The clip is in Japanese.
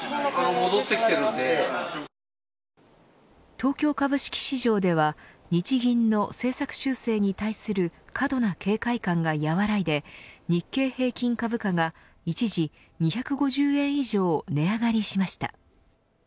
東京株式市場では日銀の政策修正に対する過度な警戒感が和らいで日経平均株価が、一時２５０円以上値上がりしました。